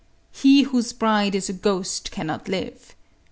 He whose bride is a ghost cannot live.